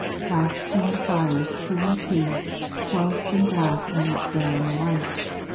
Last came the friars, two and two, cloathed in black, and each bearing a light.